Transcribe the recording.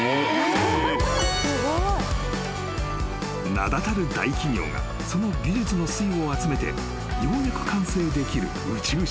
［名だたる大企業がその技術の粋を集めてようやく完成できる宇宙食］